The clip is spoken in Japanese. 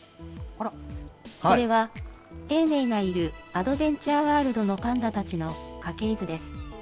これは永明がいるアドベンチャーワールドのパンダたちの家系図です。